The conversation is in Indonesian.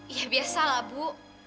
ya biasa lah bu